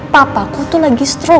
papa aku tuh lagi stroke